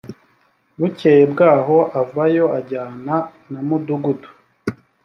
bukeye bwaho avayo ajyana na mudugudu